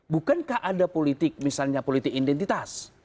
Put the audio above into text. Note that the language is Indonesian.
bukankah ada politik misalnya politik identitas